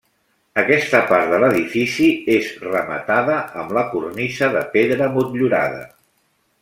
Aquesta part de l'edifici és rematada amb la cornisa de pedra motllurada.